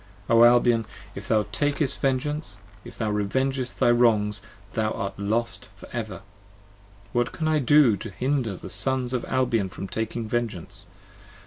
O Albion, if thou takest vengeance, if thou revengest thy wrongs, Thou art for ever lost ! What can I do to hinder the Sons Of Albion from taking vengeance